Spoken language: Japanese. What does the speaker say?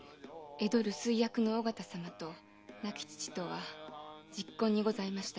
江戸留守居役の尾形様と亡き父とは入魂にございました